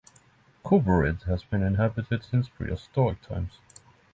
Kobarid has been inhabited since prehistoric times.